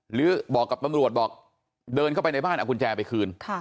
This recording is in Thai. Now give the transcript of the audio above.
หรือบอกกับตำรวจบอกเดินเข้าไปในบ้านเอากุญแจไปคืน